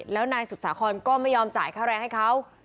แล้วนายสุสาครก็ไม่ยอมจ่ายค่าแรงให้เขา